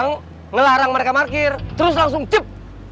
ngelarang mereka markir terus langsung cip